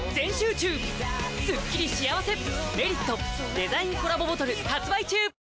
デザインコラボボトル発売中！